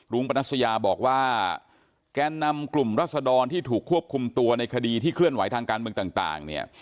ปนัสยาบอกว่าแกนนำกลุ่มรัศดรที่ถูกควบคุมตัวในคดีที่เคลื่อนไหวทางการเมืองต่างเนี่ย